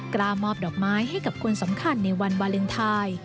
กล้ามอบดอกไม้ให้กับคนสำคัญในวันวาเลนไทย